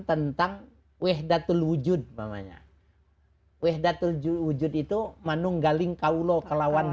tentang wehdatul wujud namanya wehdatul wujud itu manunggaling kaulo ke lawan